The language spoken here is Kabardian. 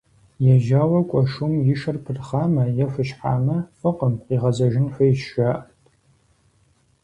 Ежьауэ кӀуэ шум и шыр пырхъамэ е хущхьамэ, фӀыкъым, къигъэзэжын хуейщ, жаӀэрт.